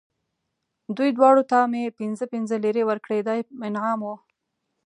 دوی دواړو ته مې پنځه پنځه لېرې ورکړې، دا یې انعام و.